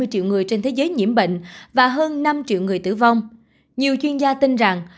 hai trăm bảy mươi triệu người trên thế giới nhiễm bệnh và hơn năm triệu người tử vong nhiều chuyên gia tin rằng